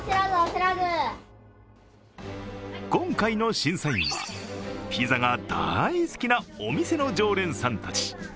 今回の審査員は、ピザが大好きなお店の常連さんたち。